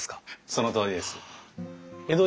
そのとおりです。